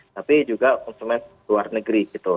tapi juga konsumen luar negeri gitu